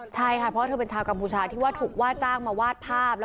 ใช่ค่ะเพราะเธอเป็นชาวกัมพูชาที่ว่าถูกว่าจ้างมาวาดภาพ